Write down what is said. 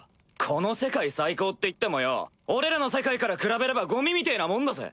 この世界最高って言ってもよ俺らの世界から比べればゴミみてぇなもんだぜ！